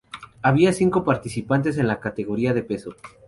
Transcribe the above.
Había cinco participantes en la categoría de peso.